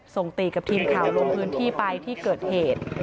ติกับทีมข่าวลงพื้นที่ไปที่เกิดเหตุ